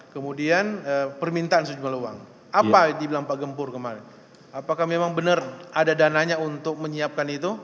kemudian permintaan sejumlah uang apa dibilang pak gempur kemarin apakah memang benar ada dananya untuk menyiapkan itu